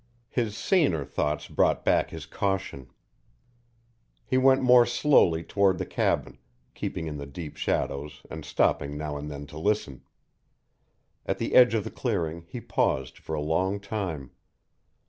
His saner thoughts brought back his caution. He went more slowly toward the cabin, keeping in the deep shadows and stopping now and then to listen. At the edge of the clearing he paused for a long time.